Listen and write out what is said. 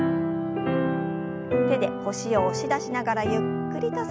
手で腰を押し出しながらゆっくりと反らせます。